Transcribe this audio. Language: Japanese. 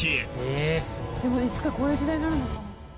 でもいつかこういう時代になるのかな。